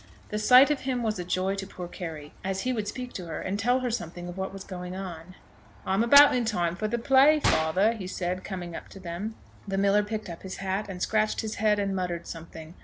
The sight of him was a joy to poor Carry, as he would speak to her, and tell her something of what was going on. "I'm about in time for the play, father," he said, coming up to them. The miller picked up his hat, and scratched his head, and muttered something.